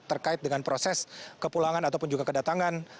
terkait dengan proses kepulangan ataupun juga kedatangan